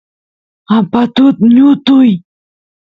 ampatut ñutuy